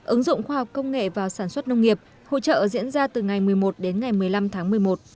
ứng dụng khoa học công nghệ vào sản xuất nông nghiệp hỗ trợ diễn ra từ ngày một mươi một đến ngày một mươi năm tháng một mươi một